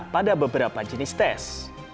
pada beberapa jenis tes